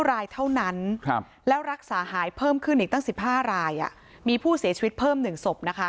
รายเท่านั้นแล้วรักษาหายเพิ่มขึ้นอีกตั้ง๑๕รายมีผู้เสียชีวิตเพิ่ม๑ศพ